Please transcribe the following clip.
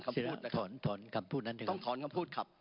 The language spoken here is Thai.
ต้าการพูดนะครับ